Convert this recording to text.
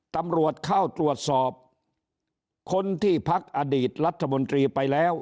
ตำรวจเข้าตรวจสอบคนที่พักอดีตรัฐมนตรีไปแล้ว